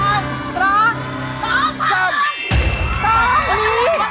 อ่ะเอาอุ่น